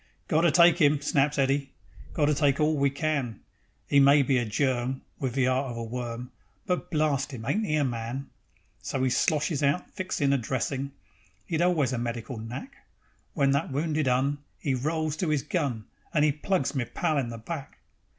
"Got to take 'im," snaps Eddy; "Got to take all we can. 'E may be a Germ Wiv the 'eart of a worm, But, blarst 'im! ain't 'e a man?" So 'e sloshes out fixin' a dressin' ('E'd always a medical knack), When that wounded 'Un 'E rolls to 'is gun, And 'e plugs me pal in the back.